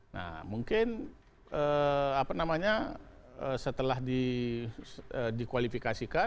nah mungkin setelah dikualifikasikan